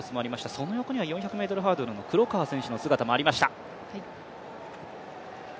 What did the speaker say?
その横には４００ｍハードルの黒川選手の姿もありました。